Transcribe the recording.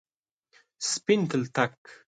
سپین تلتک،